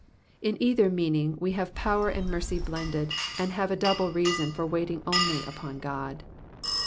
In either meaning we have power and mercy blended, and have a double reason for waiting only upon God.